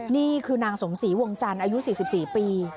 นี่คือนางสมศรีวงจันทร์อายุ๔๔ปี